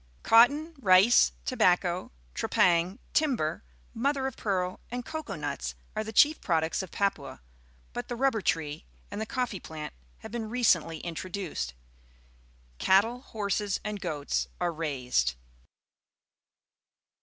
Cotton, rice, tobacco, trepang, timber, mother of pearl, and cocoa nuts are the chief products of Papua, but the rubber tree and the coffee plant have been recently intro duced. Cattle, horses, and goats are raised.